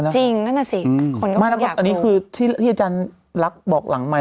จริงนั่นน่ะสิไม่แล้วก็อันนี้คือที่อาจารย์ลักษณ์บอกหลังใหม่